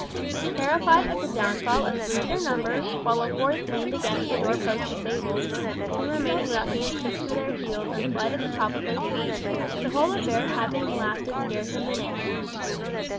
Terrified at the downfall of three of their number, while a fourth leaned against a door post disabled, the two remaining ruffians took to their heels and fled at the top of their speed, the whole affair having lasted scarce a minute.